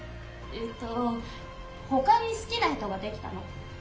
他に好きな人ができたの。